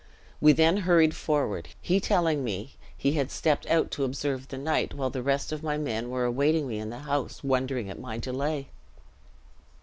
We then hurried forward; he telling me he had stepped out to observe the night, while the rest of my men were awaiting me in the house, wondering at my delay.